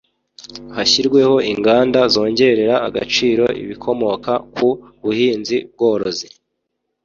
hashyirweho inganda zongerera agaciro ibikomoka ku buhinzi-bworozi